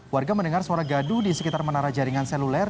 warga mendengar suara gaduh di sekitar menara jaringan seluler